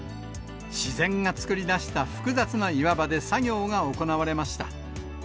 自然が作り出した複雑な岩場で作業が行われました。